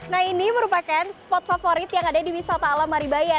nah ini merupakan spot favorit yang ada di wisata alam maribaya